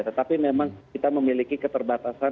tetapi memang kita memiliki keterbatasan